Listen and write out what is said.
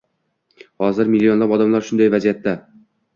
Hozir millionlab odamlar shunday vaziyatda